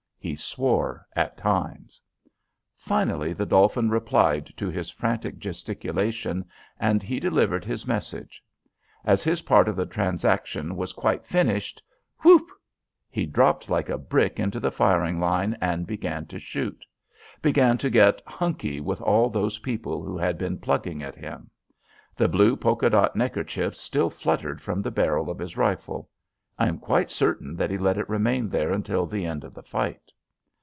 He swore at times. Finally the Dolphin replied to his frantic gesticulation, and he delivered his message. As his part of the transaction was quite finished whoop! he dropped like a brick into the firing line and began to shoot; began to get "hunky" with all those people who had been plugging at him. The blue polka dot neckerchief still fluttered from the barrel of his rifle. I am quite certain that he let it remain there until the end of the fight.